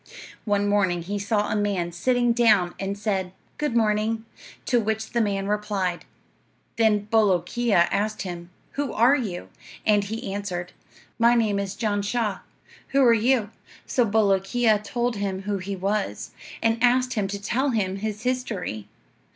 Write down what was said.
"One morning he saw a man sitting down, and said 'Good morning,' to which the man replied. Then Bolookeea asked him, 'Who are you?' and he answered: 'My name is Jan Shah. Who are you?' So Bolookeea told him who he was, and asked him to tell him his history.